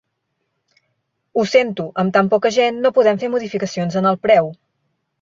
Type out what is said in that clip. Ho sento, amb tan poca gent no podem fer modificacions en el preu.